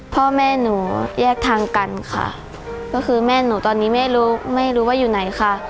พ่อแม่หนูแยกทางกันค่ะก็คือแม่หนูตอนนี้ไม่รู้ไม่รู้ว่าอยู่ไหนค่ะ